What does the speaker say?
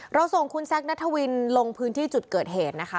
ส่งคุณแซคนัทวินลงพื้นที่จุดเกิดเหตุนะคะ